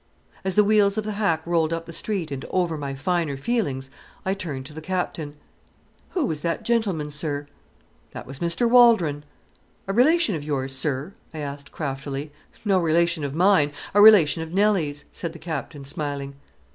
As the wheels of the hack rolled up the street and over my finer feelings, I turned to the Captain. "Who was that gentleman, sir?" "That was Mr. Waldron." "A relation of yours, sir?" I asked craftily. "No relation of mine a relation of Nelly's," said the Captain, smiling.